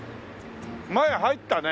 前入ったね。